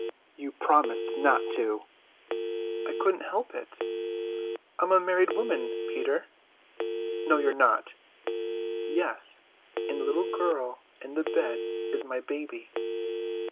"You promised not to!" "I couldn't help it. I am a married woman, Peter." "No, you're not." "Yes, and the little girl in the bed is my baby."